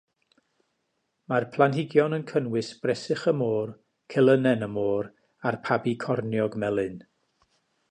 Mae'r planhigion yn cynnwys bresych y môr, celynnen y môr, a'r pabi corniog melyn.